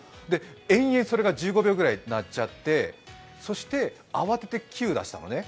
延々、それが１５秒くらいなっちゃってそして慌ててキューを出したのね。